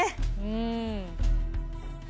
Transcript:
うん。